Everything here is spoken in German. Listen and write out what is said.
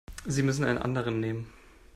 Sie müssen einen anderen nehmen.